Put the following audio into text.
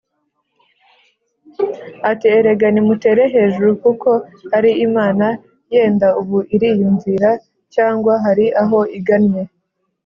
ati “Erega nimutere hejuru kuko ari imana! Yenda ubu iriyumvīra cyangwa hari aho igannye